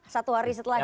satu hari setelah itu